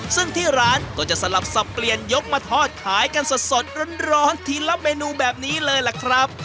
ซึ่งที่ร้านก็จะสลับสับเปลี่ยนยกมาทอดขายกันสดร้อนทีละเมนูแบบนี้เลยล่ะครับ